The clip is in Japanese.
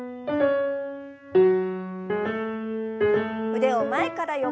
腕を前から横へ。